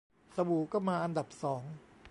สบู่ก็มาอันดับสอง